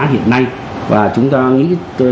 hiện nay và chúng ta nghĩ